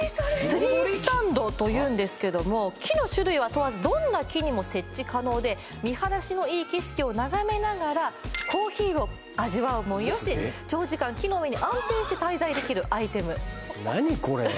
ツリースタンドというんですけども木の種類は問わずどんな木にも設置可能で見晴らしのいい景色を眺めながらコーヒーを味わうもよし長時間木の上に安定して滞在できるアイテム何これ？